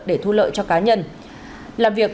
để thu lợi cho cá nhân làm việc